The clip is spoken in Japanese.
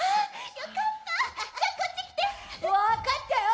分かったよ！